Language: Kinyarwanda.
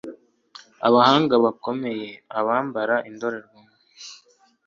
abahanga bakomeye, abambara indorerwamo